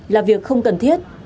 là việc không cần thiết